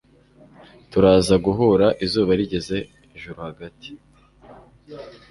turaza guhura izuba rigeze ijuru hagati